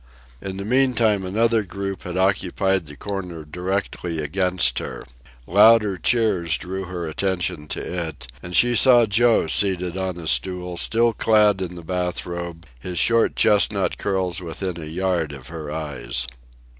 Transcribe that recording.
In the meantime another group had occupied the corner directly against her. Louder cheers drew her attention to it, and she saw Joe seated on a stool still clad in the bath robe, his short chestnut curls within a yard of her eyes.